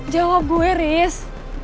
jawab gue riz